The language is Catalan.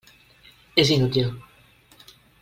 És inútil.